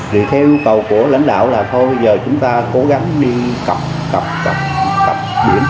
thì theo yêu cầu của lãnh đạo là thôi bây giờ chúng ta cố gắng đi cặp cặp cặp cặp biển